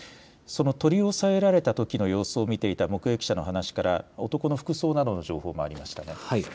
その取り押さえられたときの様子を見ていた目撃者の話から男の服装などの情報もありましたね。